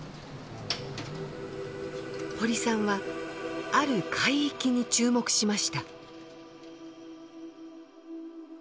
堀さんはある海域に注目しました。